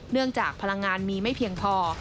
เนื่องจากพลังงานมีไม่เพียงพอ